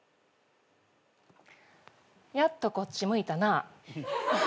やっとこっち向いたな。